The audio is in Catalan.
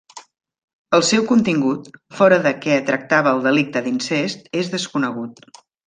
El seu contingut, fora de què tractava el delicte d'incest, és desconegut.